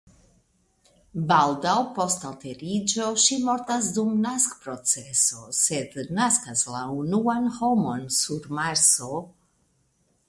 Baldaŭ post alteriĝo ŝi mortas dum naskproceso sed naskas la unuan homon sur Marso.